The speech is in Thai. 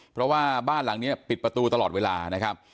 เพราะว่าบ้านหลังนี้ปิดประตูตลอดเวลานะครับ